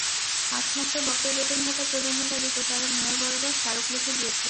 পাঁচ মাসের বকেয়া বেতন-ভাতা প্রদানের দাবিতে তাঁরা মেয়র বরাবর স্মারকলিপি দিয়েছেন।